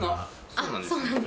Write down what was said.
そうなんですね。